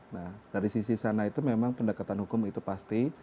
nah dari sisi sana itu memang pendekatan hukum itu pasti